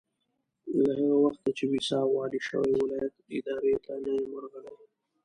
له هغه وخته چې ويساء والي شوی ولایت ادارې ته نه یم ورغلی.